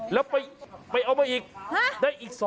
แล้วไปเอามาอีก